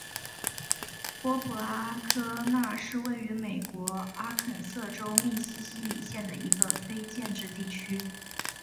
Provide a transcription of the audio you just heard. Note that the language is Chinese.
波普拉科纳是位于美国阿肯色州密西西比县的一个非建制地区。